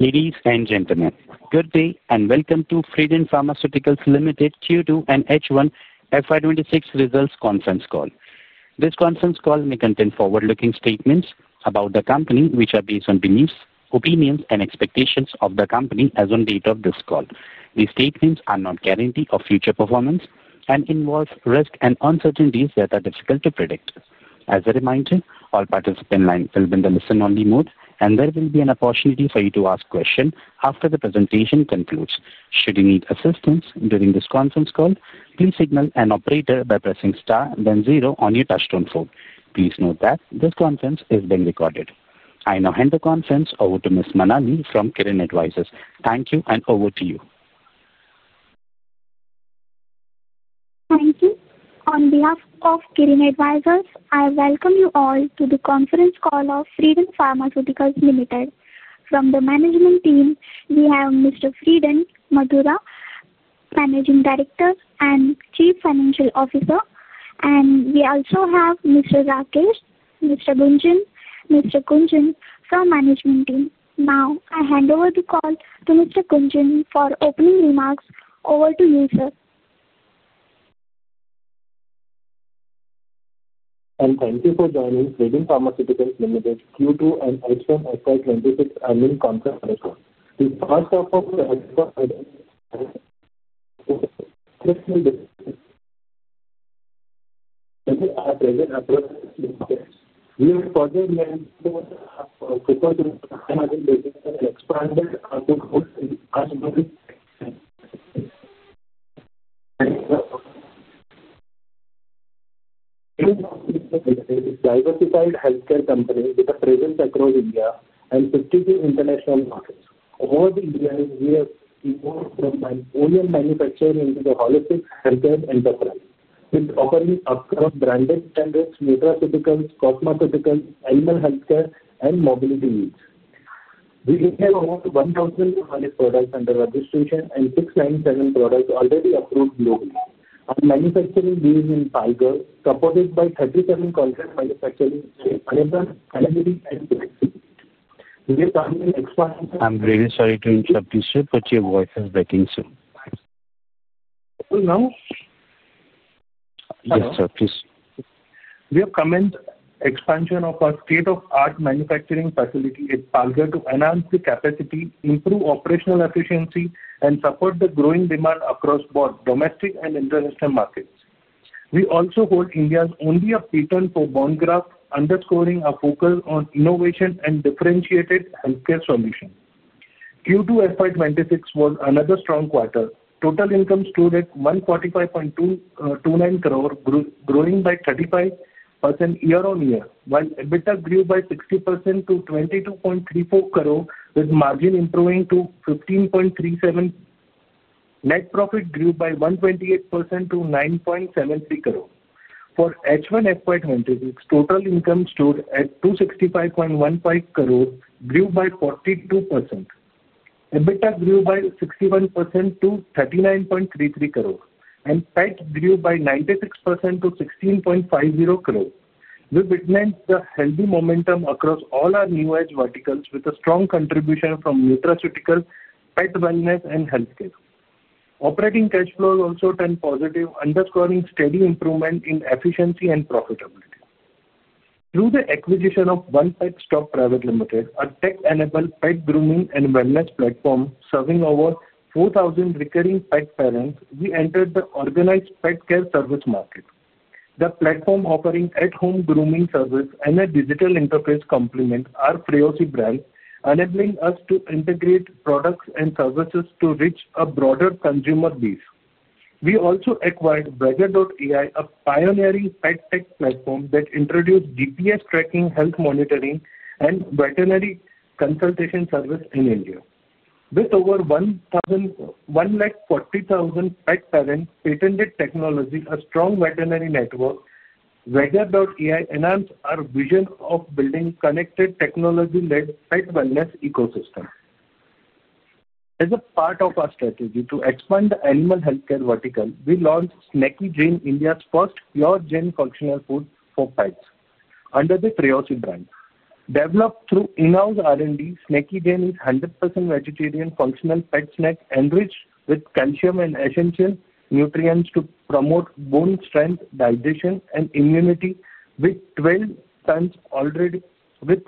Ladies and gentlemen, good day and welcome to Fredun Pharmaceuticals Limited Q2 and H1 FY 2026 results conference call. This conference call may contain forward-looking statements about the company, which are based on beliefs, opinions, and expectations of the company as of the date of this call. These statements are not guarantees of future performance and involve risks and uncertainties that are difficult to predict. As a reminder, all participants' lines will be in the listen-only mode, and there will be an opportunity for you to ask questions after the presentation concludes. Should you need assistance during this conference call, please signal an operator by pressing star, then zero on your touch-tone phone. Please note that this conference is being recorded. I now hand the conference over to Ms. Manani from Kirin Advisors. Thank you, and over to you. Thank you. On behalf of Kirin Advisors, I welcome you all to the conference call of Fredun Pharmaceuticals Limited. From the management team, we have Mr. Fredun Medhora, Managing Director and Chief Financial Officer, and we also have Mr. Rakesh, Mr. Gunjan, Mr. Kunjan from the management team. Now, I hand over the call to Mr. Kunjan for opening remarks. Over to you, sir. Thank you for joining Fredun Pharmaceuticals Limited Q2 and H1 FY 2026 earning conference call. To start off, we have further made proposals and expanded our goals. The company is a diversified healthcare company with a presence across India and 52 international markets. Over the years, we have evolved from manufacturing into a holistic healthcare enterprise, offering a broad branded standards: nutraceuticals, cosmeceuticals, animal healthcare, and mobility needs. We have over 1,200 products under registration and 697 products already approved globally. Our manufacturing is in Tiger, supported by 37 contract manufacturing in Hannibal, Alamedi, and. I'm really sorry to interrupt you, sir, but your voice is breaking soon. Can you hear now? Yes, sir, please. We have commenced expansion of our state-of-the-art manufacturing facility at Tiger to enhance the capacity, improve operational efficiency, and support the growing demand across both domestic and international markets. We also hold India's only P10 for bone graft, underscoring our focus on innovation and differentiated healthcare solutions. Q2 FY 2026 was another strong quarter. Total income stood at 145.29 crore, growing by 35% year-on-year, while EBITDA grew by 60% to 22.34 crore, with margin improving to 15.37%. Net profit grew by 128% to 9.73 crore. For H1 FY 2026, total income stood at 265.15 crore, grew by 42%. EBITDA grew by 61% to 39.33 crore, and PAT grew by 96% to 16.50 crore. We witnessed a healthy momentum across all our new age verticals, with a strong contribution from nutraceuticals, pet wellness, and healthcare. Operating cash flows also turned positive, underscoring steady improvement in efficiency and profitability. Through the acquisition of OnePet Stop Private Limited, a tech-enabled pet grooming and wellness platform serving over 4,000 recurring pet parents, we entered the organized pet care service market. The platform offering at-home grooming service and a digital interface complement are a pre-assured brand, enabling us to integrate products and services to reach a broader consumer base. We also acquired Bredor.ai, a pioneering pet tech platform that introduced GPS tracking, health monitoring, and veterinary consultation service in India. With over 140,000 pet parents, patented technology, and a strong veterinary network, Bredor.ai enhanced our vision of building a connected technology-led pet wellness ecosystem. As a part of our strategy to expand the animal healthcare vertical, we launched Snacky Gene, India's first pure-gene functional food for pets, under the pre-assured brand. Developed through in-house R&D, Snacky Gene is 100% vegetarian functional pet snack enriched with calcium and essential nutrients to promote bone strength, digestion, and immunity. With 12 tons already sold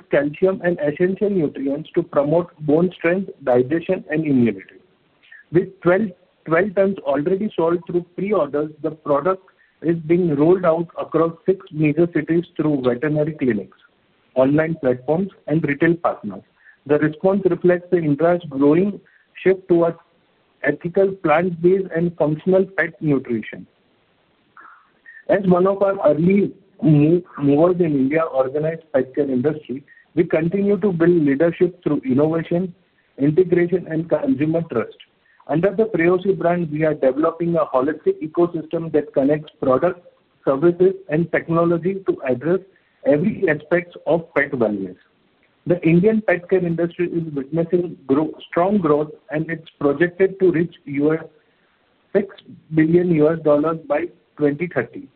through pre-orders, the product is being rolled out across six major cities through veterinary clinics, online platforms, and retail partners. The response reflects the industry's growing shift towards ethical, plant-based, and functional pet nutrition. As one of our early movers in India organized pet care industry, we continue to build leadership through innovation, integration, and consumer trust. Under the pre-assured brand, we are developing a holistic ecosystem that connects products, services, and technology to address every aspect of pet wellness. The Indian pet care industry is witnessing strong growth, and it's projected to reach $6 billion by 2030,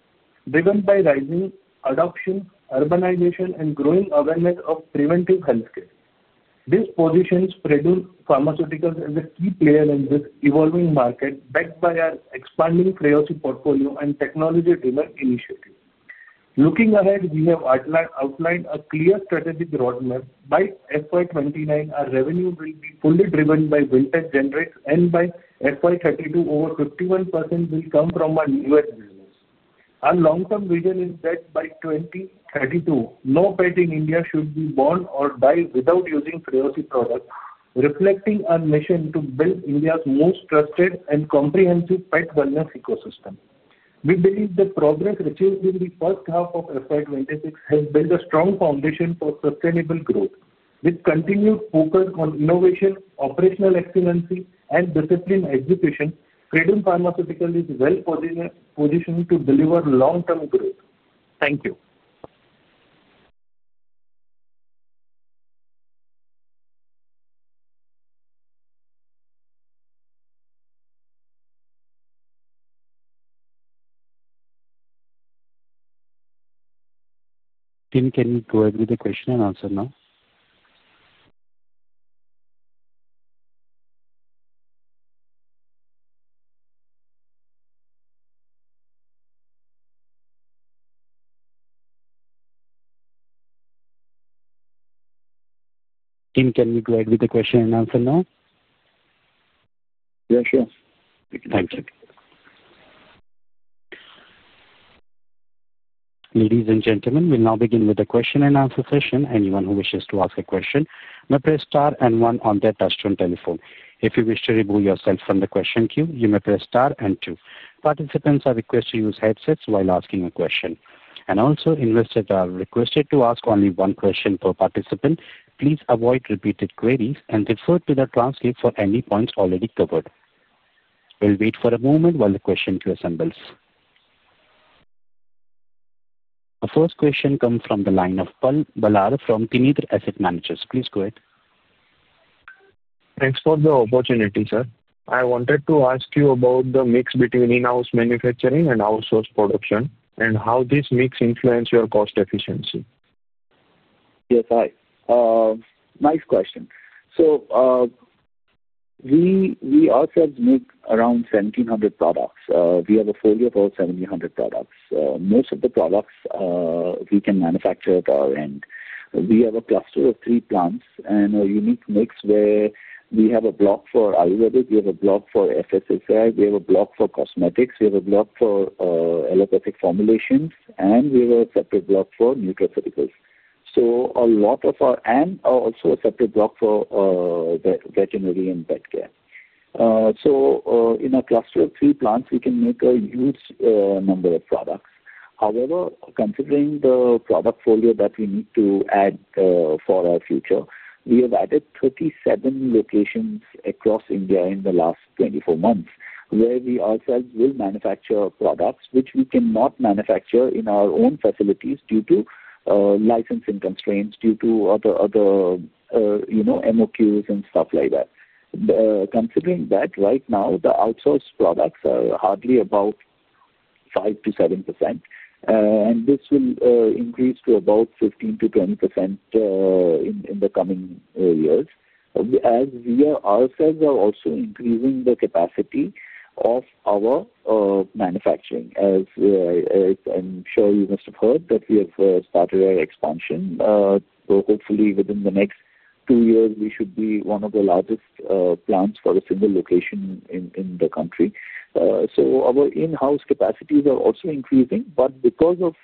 driven by rising adoption, urbanization, and growing awareness of preventive healthcare. This positions Fredun Pharmaceuticals as a key player in this evolving market, backed by our expanding pre-assured portfolio and technology-driven initiatives. Looking ahead, we have outlined a clear strategic roadmap. By 2029, our revenue will be fully driven by vintage generics, and by 2032, over 51% will come from our U.S. business. Our long-term vision is that by 2032, no pet in India should be born or die without using pre-assured products, reflecting our mission to build India's most trusted and comprehensive pet wellness ecosystem. We believe the progress achieved in the first half of FY 2026 has built a strong foundation for sustainable growth. With continued focus on innovation, operational excellence, and disciplined execution, Fredun Pharmaceuticals is well positioned to deliver long-term growth. Thank you. Team, can you go ahead with the question-and-answer now? Yeah, sure. Thank you. Ladies and gentlemen, we'll now begin with the question-and-answer session. Anyone who wishes to ask a question may press star and one on their touch-tone telephone. If you wish to remove yourself from the question queue, you may press star and two. Participants are requested to use headsets while asking a question. Also, investors are requested to ask only one question per participant. Please avoid repeated queries and refer to the transcript for any points already covered. We'll wait for a moment while the question queue assembles. Our first question comes from the line of Paul Balar from Trinity Asset Managers. Please go ahead. Thanks for the opportunity, sir. I wanted to ask you about the mix between in-house manufacturing and outsource production, and how this mix influences your cost efficiency. Yes, hi. Nice question. We ourselves make around 1,700 products. We have a folio of over 1,700 products. Most of the products, we can manufacture at our end. We have a cluster of three plants and a unique mix where we have a block for Ayurvedic, we have a block for FSSAI, we have a block for cosmetics, we have a block for allopathic formulations, and we have a separate block for nutraceuticals. Also, a separate block for veterinary and pet care. In our cluster of three plants, we can make a huge number of products. However, considering the product folio that we need to add for our future, we have added 37 locations across India in the last 24 months where we ourselves will manufacture products, which we cannot manufacture in our own facilities due to licensing constraints, due to other MOQs and stuff like that. Considering that, right now, the outsourced products are hardly about 5%-7%, and this will increase to about 15%-20% in the coming years. As we ourselves are also increasing the capacity of our manufacturing, as I'm sure you must have heard that we have started our expansion. Hopefully, within the next two years, we should be one of the largest plants for a single location in the country. Our in-house capacities are also increasing, but because of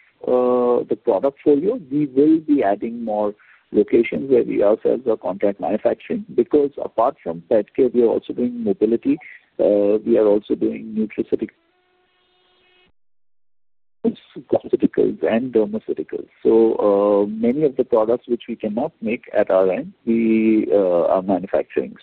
the product folio, we will be adding more locations where we ourselves are contract manufacturing because apart from pet care, we are also doing mobility. We are also doing nutraceuticals and dermaceuticals. Many of the products which we cannot make at our end, we are manufacturing.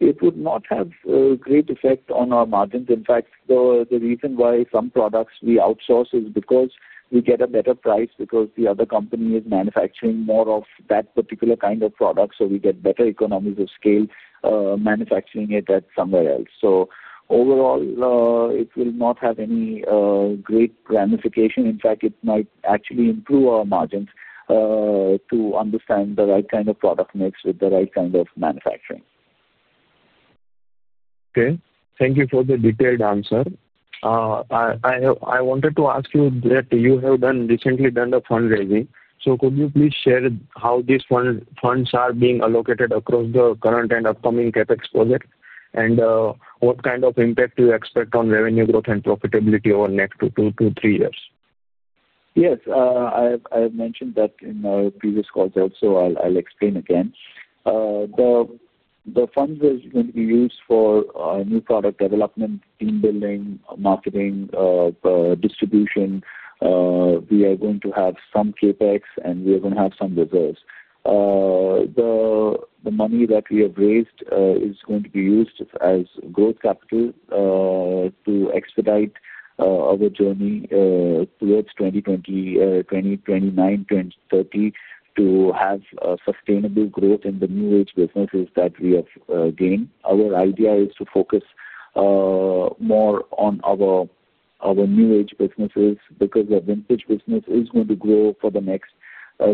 It would not have a great effect on our margins. In fact, the reason why some products we outsource is because we get a better price because the other company is manufacturing more of that particular kind of product. We get better economies of scale manufacturing it at somewhere else. Overall, it will not have any great ramification. In fact, it might actually improve our margins to understand the right kind of product mix with the right kind of manufacturing. Okay. Thank you for the detailed answer. I wanted to ask you that you have recently done the fundraising. Could you please share how these funds are being allocated across the current and upcoming CapEx projects and what kind of impact you expect on revenue growth and profitability over the next two to three years? Yes. I have mentioned that in our previous calls also. I'll explain again. The funds are going to be used for new product development, team building, marketing, distribution. We are going to have some CapEx, and we are going to have some reserves. The money that we have raised is going to be used as growth capital to expedite our journey towards 2029, 2030 to have sustainable growth in the new age businesses that we have gained. Our idea is to focus more on our new age businesses because the vintage business is going to grow for the next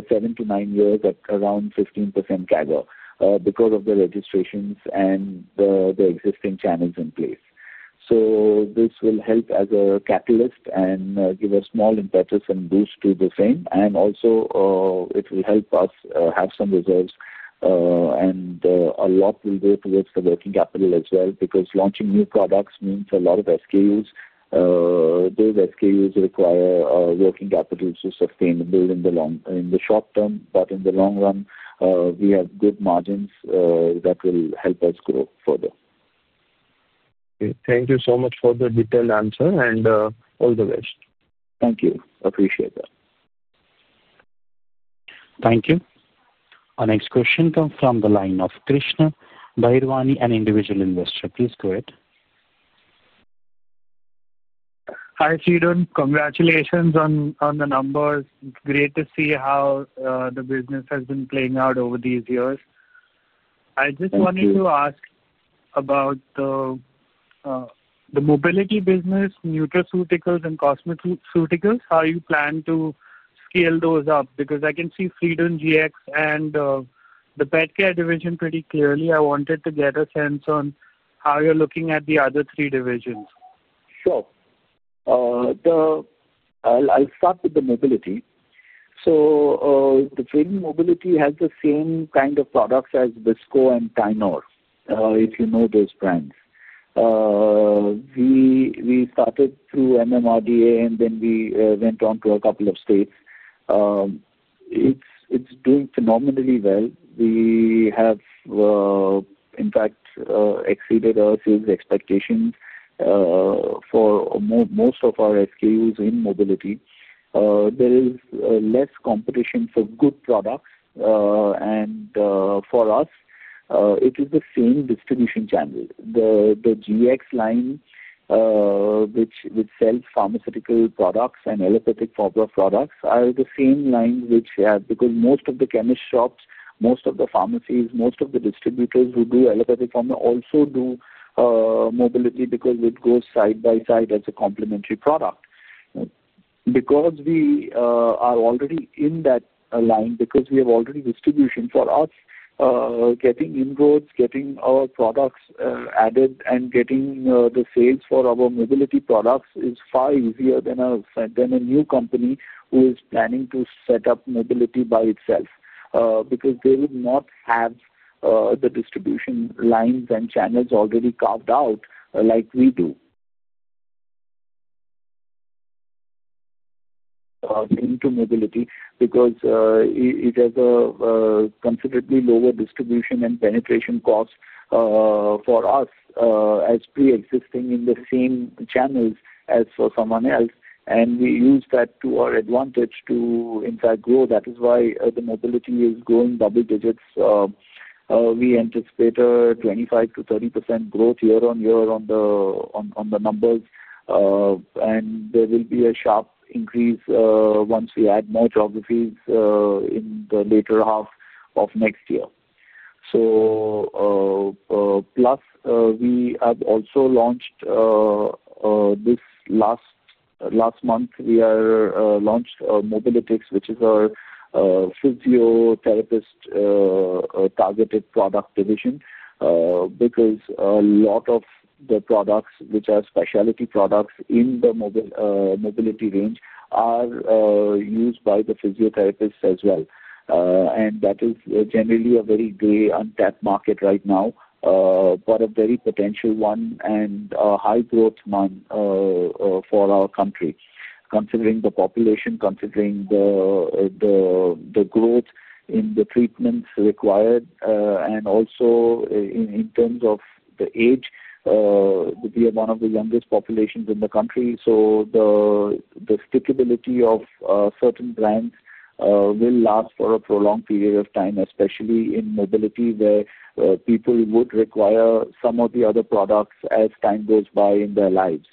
seven to nine years at around 15% CAGR because of the registrations and the existing channels in place. This will help as a catalyst and give a small impetus and boost to the same. It will also help us have some reserves, and a lot will go towards the working capital as well because launching new products means a lot of SKUs. Those SKUs require working capital to sustain and build in the short term, but in the long run, we have good margins that will help us grow further. Okay. Thank you so much for the detailed answer, and all the best. Thank you. Appreciate that. Thank you. Our next question comes from the line of Krishna Bherwani, an individual investor. Please go ahead. Hi, Fredun. Congratulations on the numbers. Great to see how the business has been playing out over these years. I just wanted to ask about the mobility business, nutraceuticals, and cosmetics. How do you plan to scale those up? Because I can see Fredun Gx and the pet care division pretty clearly. I wanted to get a sense on how you're looking at the other three divisions. Sure. I'll start with the mobility. So Fredun Mobility has the same kind of products as Visco and Tynor, if you know those brands. We started through MMRDA, and then we went on to a couple of states. It's doing phenomenally well. We have, in fact, exceeded our sales expectations for most of our SKUs in mobility. There is less competition for good products, and for us, it is the same distribution channel. The GX line, which sells pharmaceutical products and allopathic formula products, are the same line because most of the chemist shops, most of the pharmacies, most of the distributors who do allopathic formula also do mobility because it goes side by side as a complementary product. Because we are already in that line, because we have already distribution, for us, getting inroads, getting our products added, and getting the sales for our mobility products is far easier than a new company who is planning to set up mobility by itself because they would not have the distribution lines and channels already carved out like we do into mobility because it has a considerably lower distribution and penetration cost for us as pre-existing in the same channels as for someone else. We use that to our advantage to, in fact, grow. That is why the mobility is growing double digits. We anticipate a 25%-30% growth year-on-year on the numbers, and there will be a sharp increase once we add more geographies in the later half of next year. Plus, we have also launched this last month, we launched Mobilitix, which is our physiotherapist-targeted product division because a lot of the products, which are specialty products in the mobility range, are used by the physiotherapists as well. That is generally a very gray, untapped market right now, but a very potential one and a high-growth one for our country. Considering the population, considering the growth in the treatments required, and also in terms of the age, we are one of the youngest populations in the country. The stickability of certain brands will last for a prolonged period of time, especially in mobility where people would require some of the other products as time goes by in their lives.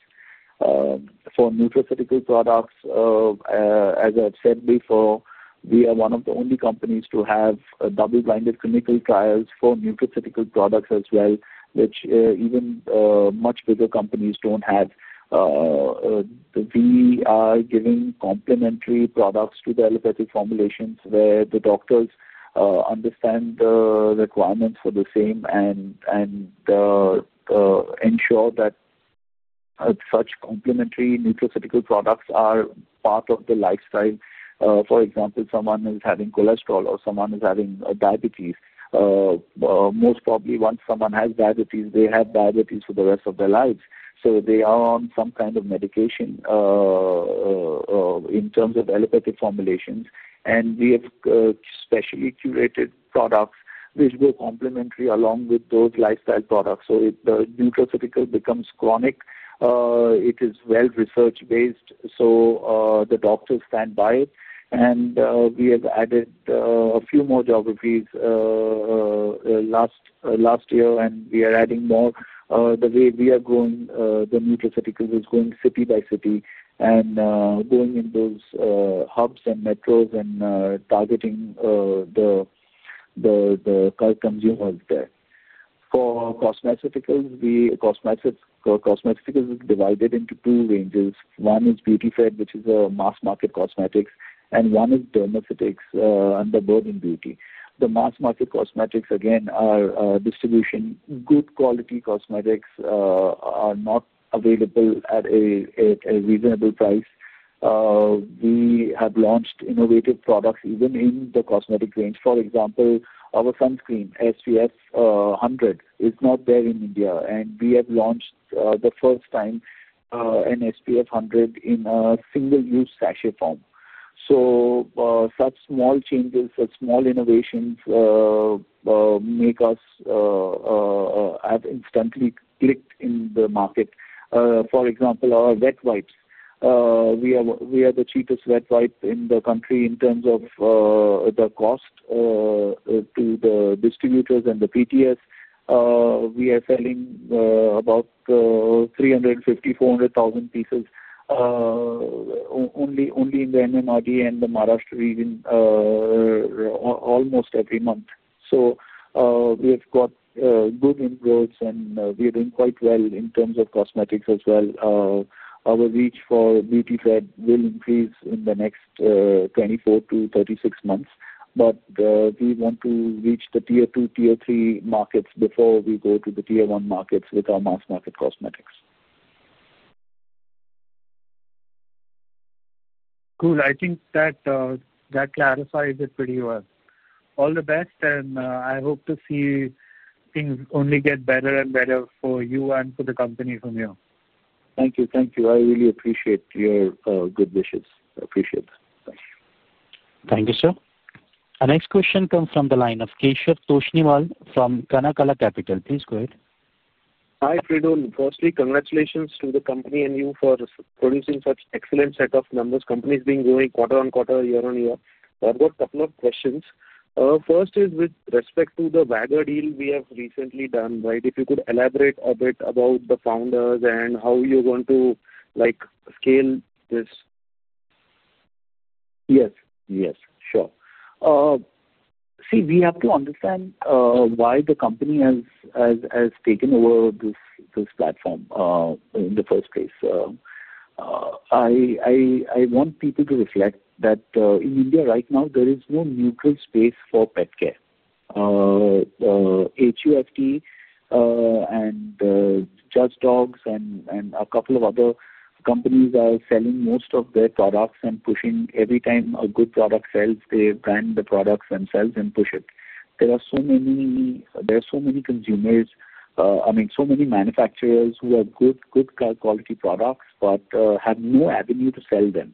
For nutraceutical products, as I've said before, we are one of the only companies to have double-blinded clinical trials for nutraceutical products as well, which even much bigger companies don't have. We are giving complementary products to the allopathic formulations where the doctors understand the requirements for the same and ensure that such complementary nutraceutical products are part of the lifestyle. For example, someone is having cholesterol or someone is having diabetes. Most probably, once someone has diabetes, they have diabetes for the rest of their lives. They are on some kind of medication in terms of allopathic formulations. We have specially curated products which go complementary along with those lifestyle products. If the nutraceutical becomes chronic, it is well-researched based. The doctors stand by it. We have added a few more geographies last year, and we are adding more. The way we are going, the nutraceutical is going city-by-city and going in those hubs and metros and targeting the consumers there. For cosmetics, cosmetics is divided into two ranges. One is Beautyfred, which is a mass-market cosmetics, and one is dermaceutics under Bird N Beauty. The mass-market cosmetics, again, are distribution. Good quality cosmetics are not available at a reasonable price. We have launched innovative products even in the cosmetic range. For example, our sunscreen, SPF 100, is not there in India. We have launched the first time an SPF 100 in a single-use sachet form. Such small changes, such small innovations make us have instantly clicked in the market. For example, our wet wipes. We are the cheapest wet wipe in the country in terms of the cost to the distributors and the PTS. We are selling about 350,000-400,000 pieces only in the MMRDA and the Maharashtra region almost every month. We have got good inroads, and we are doing quite well in terms of cosmetics as well. Our reach for Beautyfred will increase in the next 24-36 months, but we want to reach the tier two, tier three markets before we go to the tier one markets with our mass-market cosmetics. Cool. I think that clarifies it pretty well. All the best, and I hope to see things only get better and better for you and for the company from you. Thank you. I really appreciate your good wishes. Appreciate that. Thank you. Thank you, sir. Our next question comes from the line of Keshav Toshniwal from Kanak Capital. Please go ahead. Hi, Fredun. Firstly, congratulations to the company and you for producing such an excellent set of numbers. The company is growing quarter-on-quarter, year-on-year. I've got a couple of questions. First is with respect to the Wagger deal we have recently done, right? If you could elaborate a bit about the founders and how you're going to scale this. Yes. Yes. Sure. See, we have to understand why the company has taken over this platform in the first place. I want people to reflect that in India right now, there is no neutral space for pet care. HUFT and Just Dogs and a couple of other companies are selling most of their products and pushing every time a good product sells, they brand the products themselves and push it. There are so many consumers, I mean, so many manufacturers who have good quality products but have no avenue to sell them.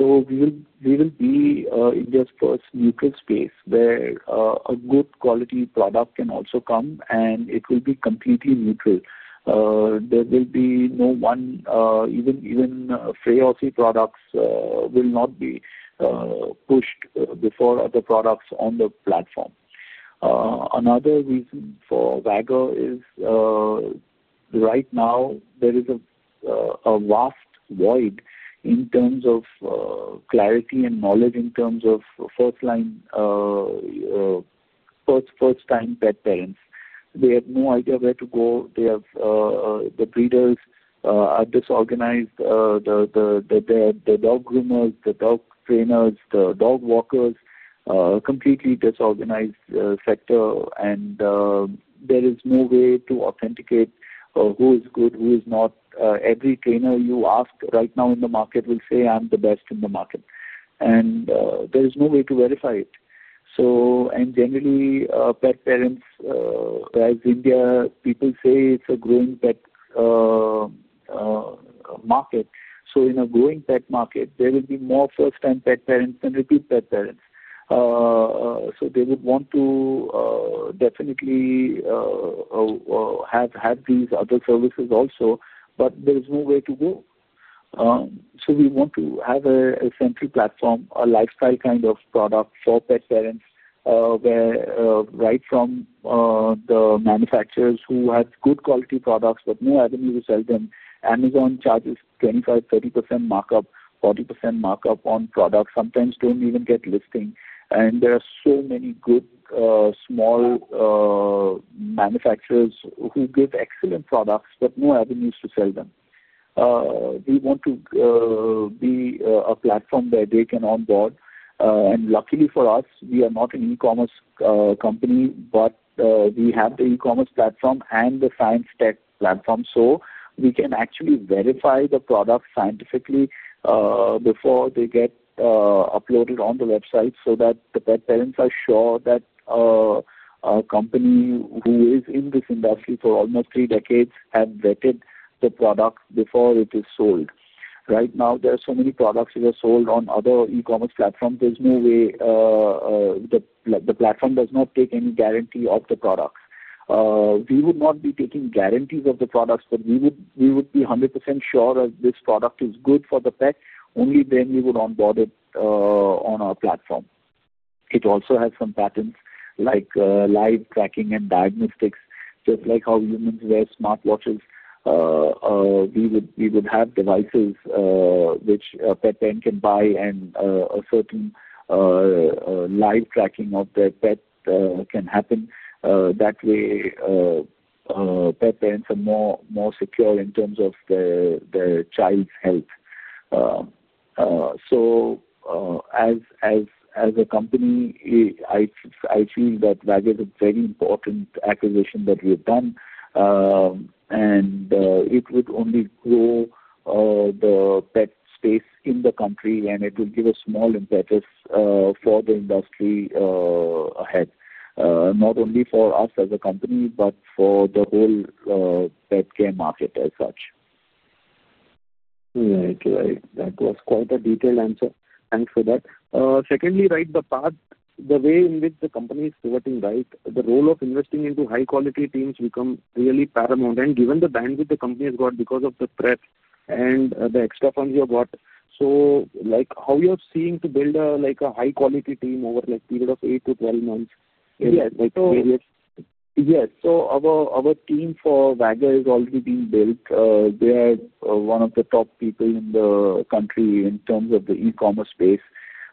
We will be India's first neutral space where a good quality product can also come, and it will be completely neutral. There will be no one, even Fredun products will not be pushed before other products on the platform. Another reason for Wagger is right now, there is a vast void in terms of clarity and knowledge in terms of first-time pet parents. They have no idea where to go. The breeders are disorganized. The dog groomers, the dog trainers, the dog walkers, completely disorganized sector, and there is no way to authenticate who is good, who is not. Every trainer you ask right now in the market will say, "I'm the best in the market." There is no way to verify it. Generally, pet parents as India, people say it's a growing pet market. In a growing pet market, there will be more first-time pet parents than repeat pet parents. They would want to definitely have these other services also, but there is no way to go. We want to have a central platform, a lifestyle kind of product for pet parents where right from the manufacturers who have good quality products but no avenue to sell them. Amazon charges 25%-30% markup, 40% markup on products. Sometimes do not even get listing. There are so many good small manufacturers who give excellent products but no avenues to sell them. We want to be a platform where they can onboard. Luckily for us, we are not an e-commerce company, but we have the e-commerce platform and the science tech platform so we can actually verify the product scientifically before they get uploaded on the website so that the pet parents are sure that a company who is in this industry for almost three decades has vetted the product before it is sold. Right now, there are so many products that are sold on other e-commerce platforms. There is no way the platform does not take any guarantee of the products. We would not be taking guarantees of the products, but we would be 100% sure that this product is good for the pet. Only then we would onboard it on our platform. It also has some patents like live tracking and diagnostics, just like how humans wear smartwatches. We would have devices which a pet parent can buy, and a certain live tracking of their pet can happen. That way, pet parents are more secure in terms of their child's health. As a company, I feel that Wagger is a very important acquisition that we have done, and it would only grow the pet space in the country, and it will give a small impetus for the industry ahead, not only for us as a company but for the whole pet care market as such. Right. Right. That was quite a detailed answer. Thanks for that. Secondly, right, the way in which the company is pivoting, right, the role of investing into high-quality teams becomes really paramount. Given the bandwidth the company has got because of the threat and the extra funds you have got, how you're seeing to build a high-quality team over a period of eight to twelve months? Yes. Our team for Wagger is already being built. They are one of the top people in the country in terms of the e-commerce space.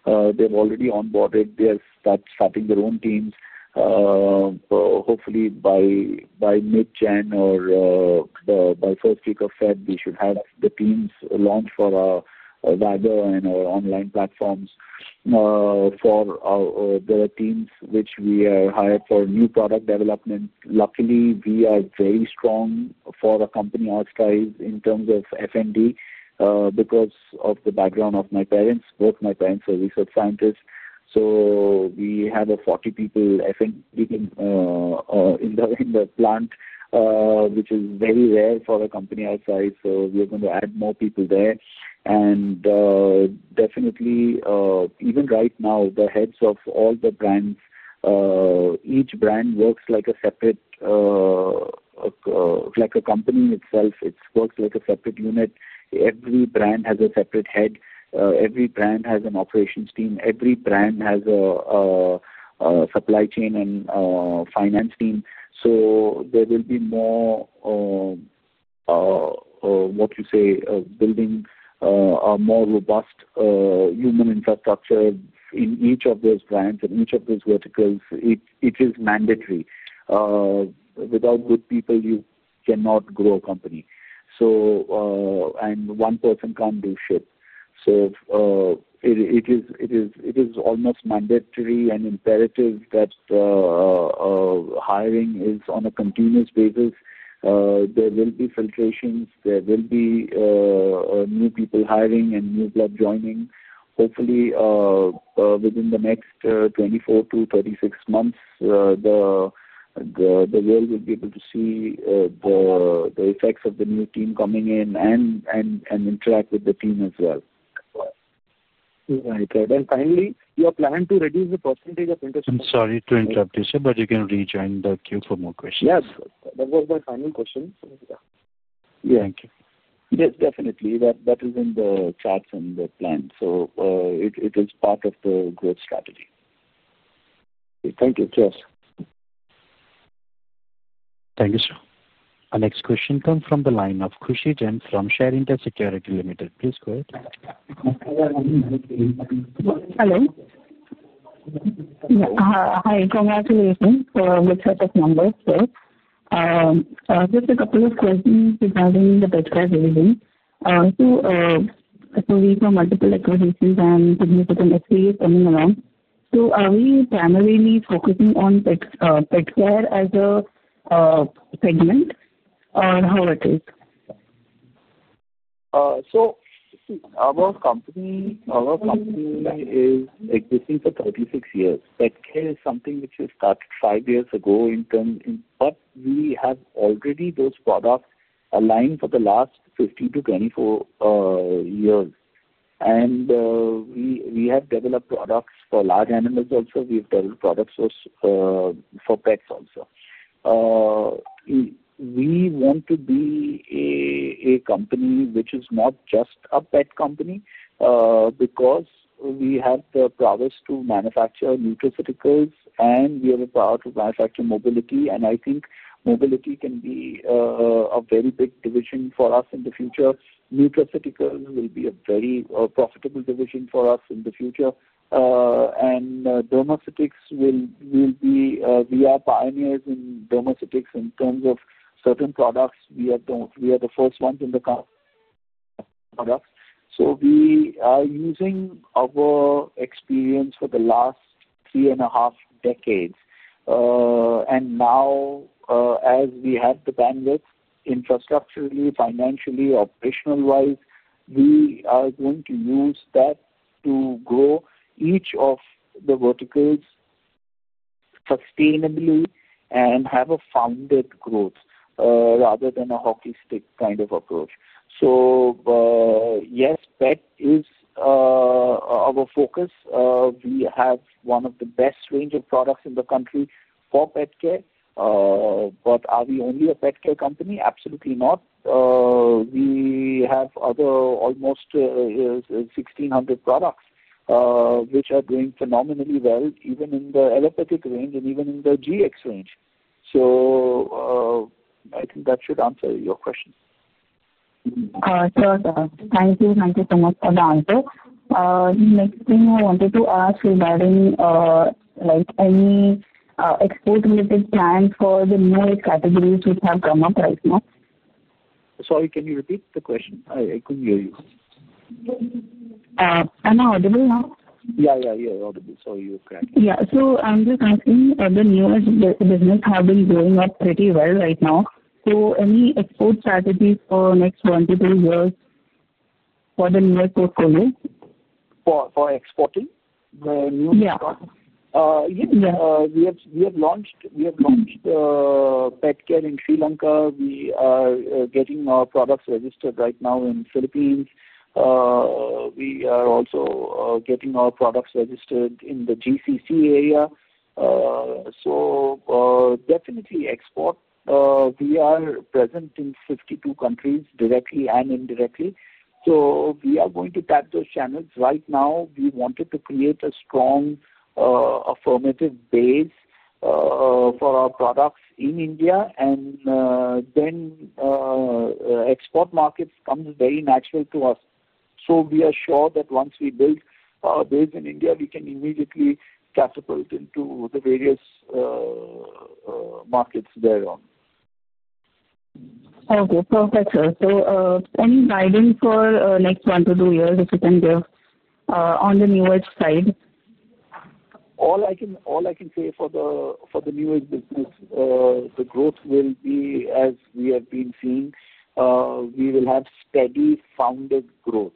They've already onboarded. They are starting their own teams. Hopefully, by mid-January or by first week of February, we should have the teams launched for Wagger and our online platforms. There are teams which we have hired for new product development. Luckily, we are very strong for a company our size in terms of F&D because of the background of my parents. Both my parents are research scientists. We have a 40-people F&D team in the plant, which is very rare for a company our size. We are going to add more people there. Definitely, even right now, the heads of all the brands, each brand works like a separate company itself. It works like a separate unit. Every brand has a separate head. Every brand has an operations team. Every brand has a supply chain and finance team. There will be more, what you say, building a more robust human infrastructure in each of those brands and each of those verticals. It is mandatory. Without good people, you cannot grow a company. One person can't do shit. It is almost mandatory and imperative that hiring is on a continuous basis. There will be filtrations. There will be new people hiring and new blood joining. Hopefully, within the next 24 to 36 months, the world will be able to see the effects of the new team coming in and interact with the team as well. Right. Finally, you are planning to reduce the percentage of. I'm sorry to interrupt you, sir, but you can rejoin the queue for more questions. Yes. That was my final question. Yeah. Thank you. Yes, definitely. That is in the charts and the plan. So it is part of the growth strategy. Thank you. Cheers. Thank you, sir. Our next question comes from the line of Khushi Jain from Share India Security Limited. Please go ahead. Hello. Hi. Congratulations for the set of numbers. Just a couple of questions regarding the pet care division. We have multiple acquisitions and significant SEAs coming around. Are we primarily focusing on pet care as a segment or how it is? Our company is existing for 36 years. Pet care is something which we started five years ago in. We have already those products aligned for the last 15 to 24 years. We have developed products for large animals also. We have developed products for pets also. We want to be a company which is not just a pet company because we have the prowess to manufacture nutraceuticals, and we have the power to manufacture mobility. I think mobility can be a very big division for us in the future. Nutraceuticals will be a very profitable division for us in the future. Dermaceutics will be we are pioneers in dermaceutics in terms of certain products. We are the first ones in the products. We are using our experience for the last three and a half decades. Now, as we have the bandwidth, infrastructurally, financially, operational-wise, we are going to use that to grow each of the verticals sustainably and have a founded growth rather than a hockey stick kind of approach. Yes, pet is our focus. We have one of the best range of products in the country for pet care. Are we only a pet care company? Absolutely not. We have other almost 1,600 products which are doing phenomenally well, even in the allopathic range and even in the GX range. I think that should answer your question. Awesome. Thank you. Thank you so much for the answer. Next thing I wanted to ask regarding any export-related plans for the newest categories which have come up right now. Sorry, can you repeat the question? I couldn't hear you. Am I audible now? Yeah. Yeah. You're audible. Sorry, you cracked me. Yeah. So I'm just asking, the newest business has been going up pretty well right now. Any export strategies for the next one to two years for the newest portfolio? For exporting? Yeah. Yeah. We have launched pet care in Sri Lanka. We are getting our products registered right now in the Philippines. We are also getting our products registered in the GCC area. Definitely export. We are present in 52 countries directly and indirectly. We are going to tap those channels right now. We wanted to create a strong affirmative base for our products in India, and then export markets come very natural to us. We are sure that once we build our base in India, we can immediately catapult into the various markets thereon. Thank you. Perfect. Any guidance for the next one to two years if you can give on the newest side? All I can say for the newest business, the growth will be as we have been seeing. We will have steady, founded growth.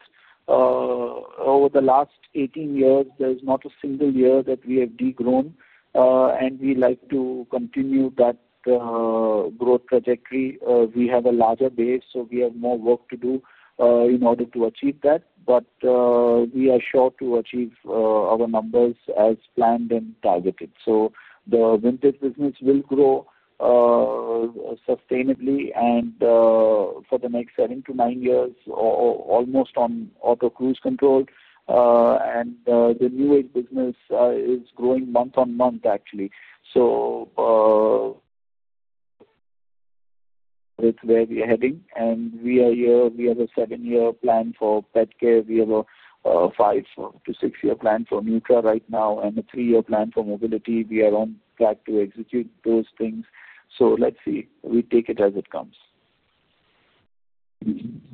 Over the last 18 years, there is not a single year that we have degrown, and we like to continue that growth trajectory. We have a larger base, so we have more work to do in order to achieve that. We are sure to achieve our numbers as planned and targeted. The vintage business will grow sustainably for the next seven to nine years, almost on auto cruise control. The newest business is growing month-on-month, actually. That is where we are heading. We have a seven-year plan for pet care. We have a 5 to 6 year plan for nutra right now and a three-year plan for mobility. We are on track to execute those things. Let us see. We take it as it comes.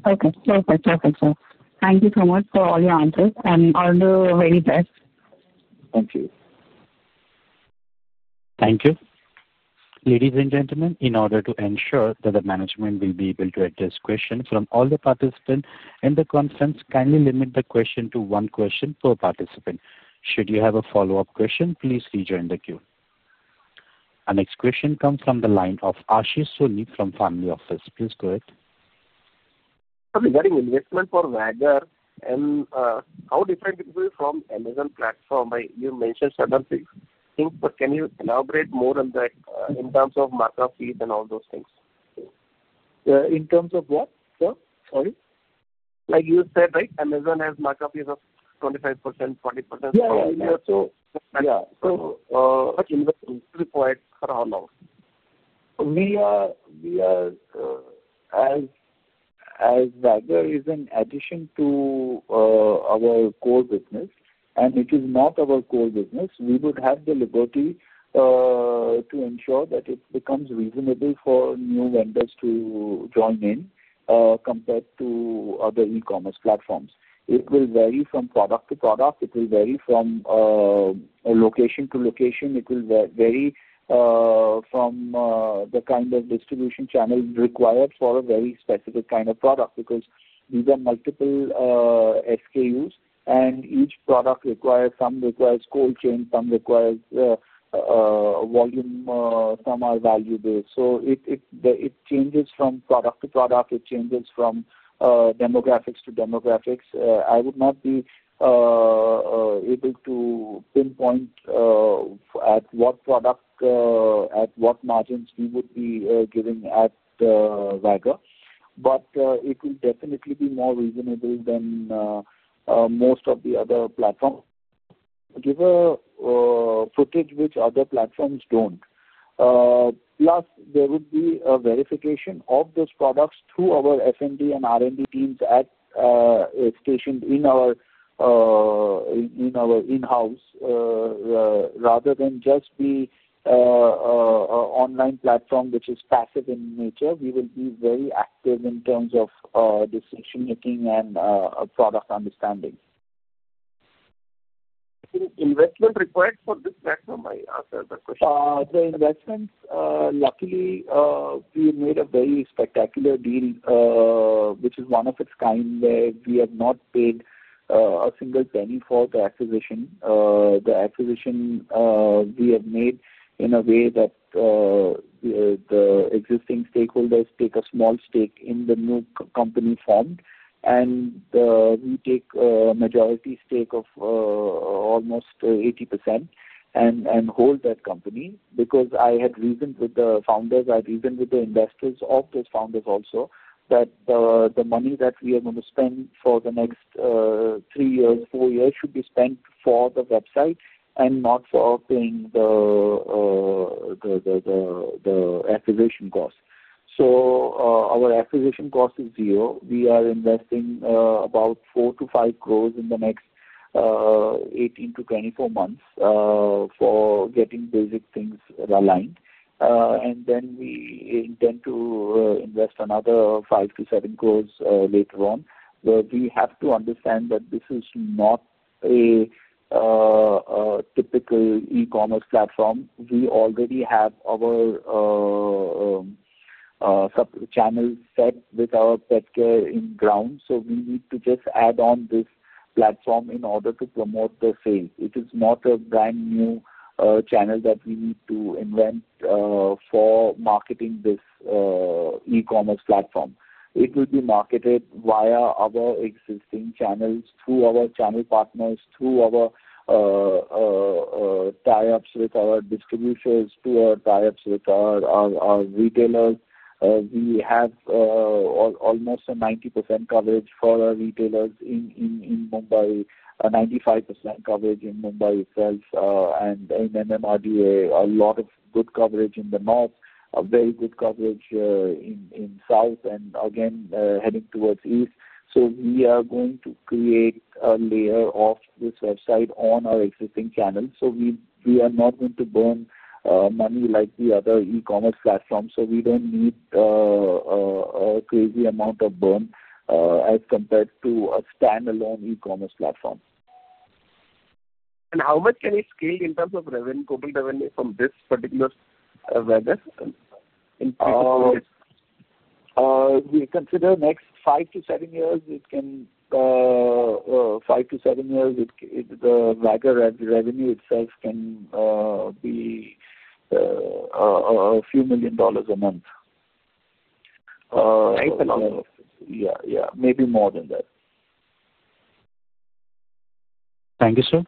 Okay. Perfect. Perfect. Thank you so much for all your answers, and all the very best. Thank you. Thank you. Ladies and gentlemen, in order to ensure that the management will be able to address questions from all the participants in the conference, kindly limit the question to one question per participant. Should you have a follow-up question, please rejoin the queue. Our next question comes from the line of Ashish Soni from Family Office. Please go ahead. Regarding investment for Wagger, how different it will be from Amazon platform? You mentioned certain things, but can you elaborate more on that in terms of markup fees and all those things? In terms of what? Sorry. Like you said, right, Amazon has markup fees of 25%, 40%. Yeah. Yeah. Yeah. Investment required for how long? As Wagger is an addition to our core business, and it is not our core business, we would have the liberty to ensure that it becomes reasonable for new vendors to join in compared to other e-commerce platforms. It will vary from product to product. It will vary from location to location. It will vary from the kind of distribution channel required for a very specific kind of product because these are multiple SKUs, and each product requires, some requires cold chain, some requires volume, some are value-based. It changes from product to product. It changes from demographics to demographics. I would not be able to pinpoint at what product, at what margins we would be giving at Wagger, but it will definitely be more reasonable than most of the other platforms. Give a footage which other platforms don't. Plus, there would be a verification of those products through our F&D and R&D teams stationed in our in-house rather than just the online platform, which is passive in nature. We will be very active in terms of decision-making and product understanding. Investment required for this platform? I asked that question. The investment, luckily, we made a very spectacular deal, which is one of its kind where we have not paid a single penny for the acquisition. The acquisition we have made in a way that the existing stakeholders take a small stake in the new company formed, and we take a majority stake of almost 80% and hold that company because I had reasoned with the founders. I reasoned with the investors of those founders also that the money that we are going to spend for the next three years, four years should be spent for the website and not for paying the acquisition cost. Our acquisition cost is zero. We are investing about 4 crore-5 crore in the next 18 to 24 months for getting basic things aligned. We intend to invest another 5 crore-7 crore later on. We have to understand that this is not a typical e-commerce platform. We already have our channel set with our pet care in ground, so we need to just add on this platform in order to promote the sale. It is not a brand new channel that we need to invent for marketing this e-commerce platform. It will be marketed via our existing channels, through our channel partners, through our tie-ups with our distributors, through our tie-ups with our retailers. We have almost 90% coverage for our retailers in Mumbai, 95% coverage in Mumbai itself, and in MMRDA. A lot of good coverage in the north, very good coverage in south, and again, heading towards east. We are going to create a layer of this website on our existing channels. We are not going to burn money like the other e-commerce platforms. We don't need a crazy amount of burn as compared to a standalone e-commerce platform. How much can we scale in terms of revenue, total revenue from this particular vendor in three to four years? We consider next five to seven years, the Wagger revenue itself can be a few million dollars a month. Right. Yeah. Yeah. Maybe more than that. Thank you, sir.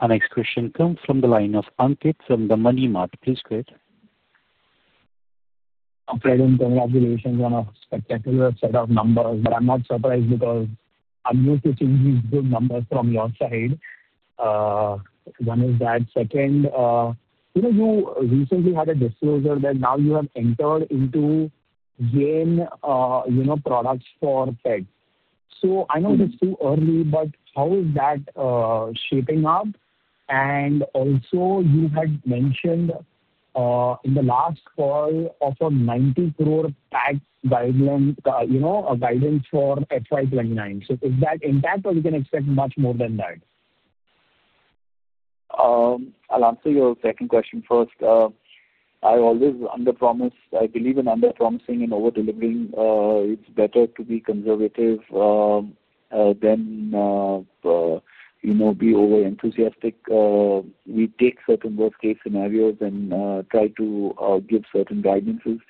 Our next question comes from the line of Ankit from the Money Market. Please go ahead. Okay. Congratulations on a spectacular set of numbers, but I'm not surprised because I'm used to seeing these good numbers from your side. One is that. Second, you recently had a disclosure that now you have entered into Jain products for pets. I know it's too early, but how is that shaping up? Also, you had mentioned in the last call of a 90 crore tax guideline, a guidance for FY2029. Is that intact, or you can expect much more than that? I'll answer your second question first. I always underpromise. I believe in underpromising and over-delivering. It's better to be conservative than be over-enthusiastic. We take certain worst-case scenarios and try to give certain guidances.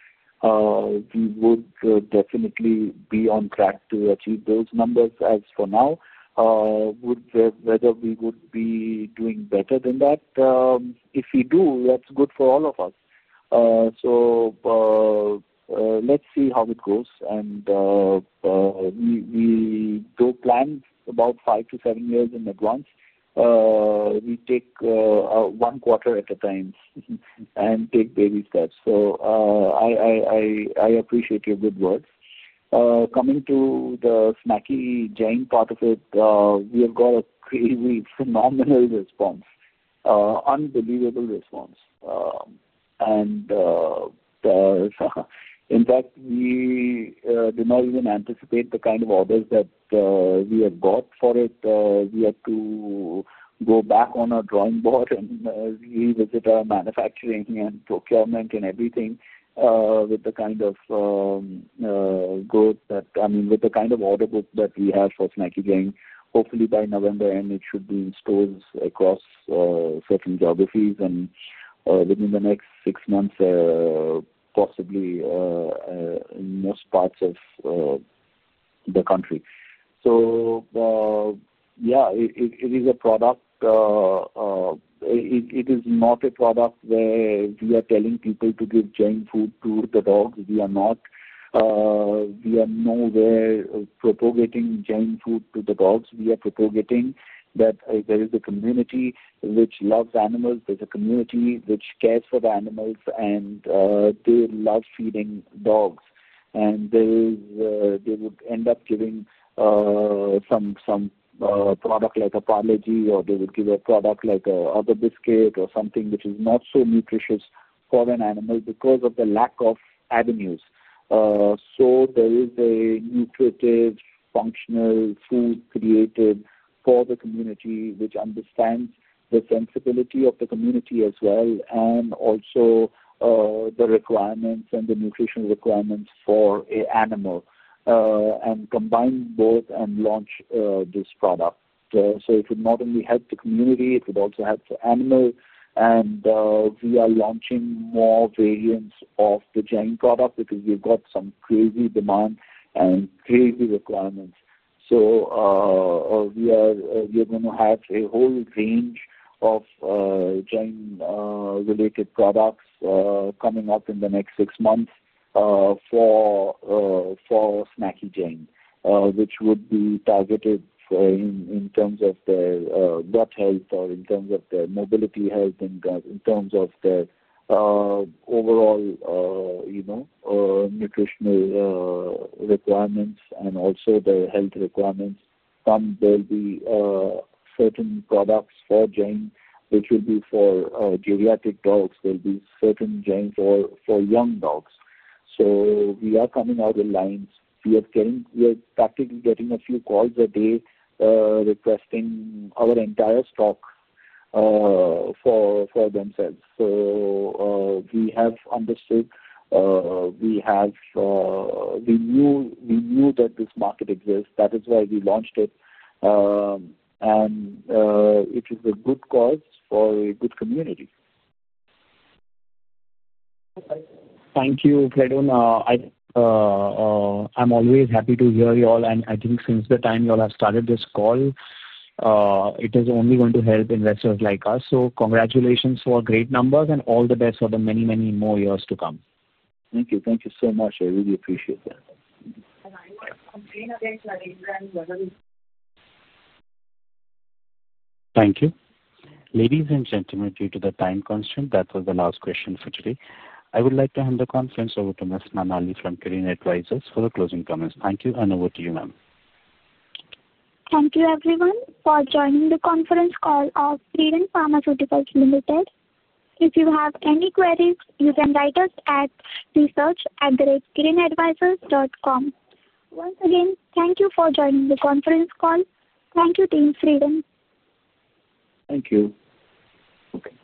We would definitely be on track to achieve those numbers as for now. Whether we would be doing better than that, if we do, that's good for all of us. Let's see how it goes. We do plan about five to seven years in advance. We take one quarter at a time and take baby steps. I appreciate your good words. Coming to the Snacky Jain part of it, we have got a phenomenal response, unbelievable response. In fact, we did not even anticipate the kind of orders that we have got for it. We had to go back on our drawing board and revisit our manufacturing and procurement and everything with the kind of growth that, I mean, with the kind of order book that we have for Snacky Jain, hopefully by November, and it should be in stores across certain geographies and within the next six months, possibly in most parts of the country. Yeah, it is a product. It is not a product where we are telling people to give Jain food to the dogs. We are not. We are nowhere propagating Jain food to the dogs. We are propagating that there is a community which loves animals. There is a community which cares for the animals, and they love feeding dogs. They would end up giving some product like a Parle-G, or they would give a product like another biscuit or something which is not so nutritious for an animal because of the lack of avenues. There is a nutritive, functional food created for the community which understands the sensibility of the community as well and also the requirements and the nutritional requirements for an animal and combine both and launch this product. It would not only help the community, it would also help the animal. We are launching more variants of the Jain product because we have got some crazy demand and crazy requirements. We are going to have a whole range of Jain-related products coming up in the next six months for Snacky Jain, which would be targeted in terms of their gut health, in terms of their mobility health, in terms of their overall nutritional requirements, and also their health requirements. Some will be certain products for Jain, which will be for geriatric dogs. There will be certain Jains for young dogs. We are coming out of lines. We are practically getting a few calls a day requesting our entire stock for themselves. We have understood. We knew that this market exists. That is why we launched it. It is a good cause for a good community. Perfect. Thank you, Fredun. I'm always happy to hear you all. I think since the time you all have started this call, it is only going to help investors like us. Congratulations for great numbers and all the best for the many, many more years to come. Thank you. Thank you so much. I really appreciate that. Thank you. Ladies and gentlemen, due to the time constraint, that was the last question for today. I would like to hand the conference over to Ms. Manani from Kirin Advisors for the closing comments. Thank you, and over to you, ma'am. Thank you, everyone, for joining the conference call of Fredun Pharmaceuticals Limited. If you have any queries, you can write us at research@kirinadvisors.com. Once again, thank you for joining the conference call. Thank you, Team. Fredun. Thank you. Okay.